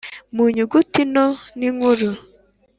mu nyuguti nto n’inkuru;